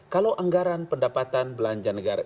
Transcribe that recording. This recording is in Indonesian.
kalau anggaran pendapatan belanja negara